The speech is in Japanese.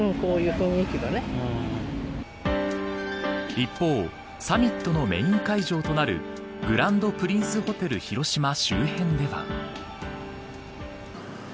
一方、サミットのメーン会場となるグランドプリンスホテル広島周辺では。